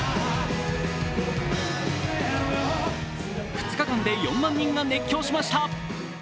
２日間で４万人が熱狂しました。